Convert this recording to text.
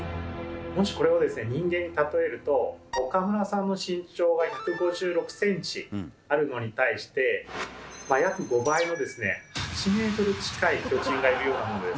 もしこれを人間に例えると岡村さんの身長が１５６ｃｍあるのに対して約５倍の８ｍ近い巨人がいるようなものです。